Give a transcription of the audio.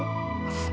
terima kasih ya allah